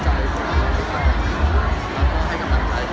แล้วก็ให้กับพรรดาให้คุณพอแต่พอคนนี้อย่างอันนี้